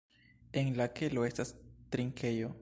En la kelo estas trinkejo.